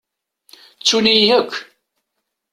Ttun-iyi akk.